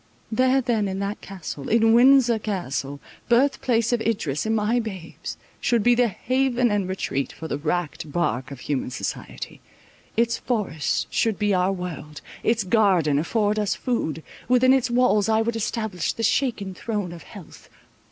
There then in that castle—in Windsor Castle, birth place of Idris and my babes, should be the haven and retreat for the wrecked bark of human society. Its forest should be our world—its garden afford us food; within its walls I would establish the shaken throne of health.